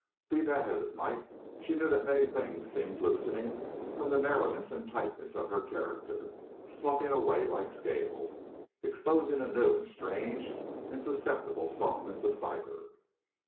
Be that as it might, she knew many things seemed loosening from the narrowness and tightness of her character, sloughing away like scales, exposing a new and strange and susceptible softness of fiber.